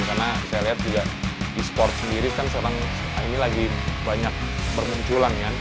karena saya lihat di esports sendiri kan seorang ini lagi banyak bermunculan